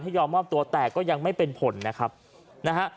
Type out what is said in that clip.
ที่ยอมว่าตัวแตกก็ยังไม่เป็นผลว่ะคัะ